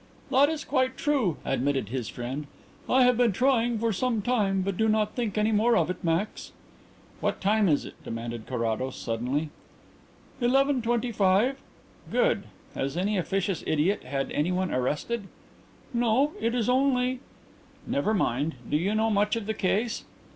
"That is quite true," admitted his friend. "I have been trying for some time but do not think any more of it, Max." "What time is it?" demanded Carrados suddenly. "Eleven twenty five." "Good. Has any officious idiot had anyone arrested?" "No, it is only " "Never mind. Do you know much of the case?"